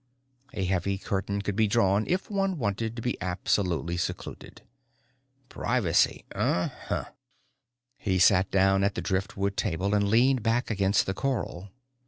A heavy curtain could be drawn if one wanted to be absolutely secluded. Privacy uh huh! He sat down at the driftwood table and leaned back against the coral.